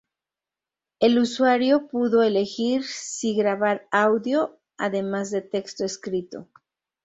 El usuario puedo elegir si grabar audio además de texto escrito.